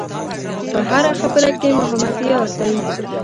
په هره خبره کې محمد یار دی.